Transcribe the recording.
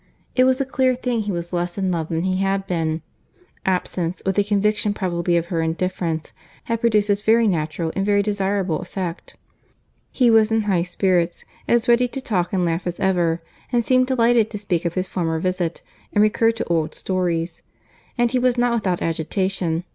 It was a clear thing he was less in love than he had been. Absence, with the conviction probably of her indifference, had produced this very natural and very desirable effect. He was in high spirits; as ready to talk and laugh as ever, and seemed delighted to speak of his former visit, and recur to old stories: and he was not without agitation.